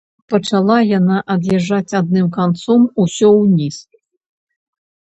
Пачала яна ад'язджаць адным канцом усё ўніз.